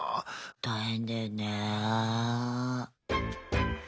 大変だよね。